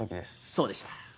そうでした。